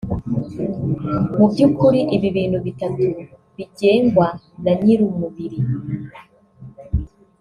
Mu by’ukuri ibi bintu bitatu bigengwa na nyir’umubiri